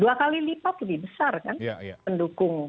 dua kali lipat lebih besar kan pendukung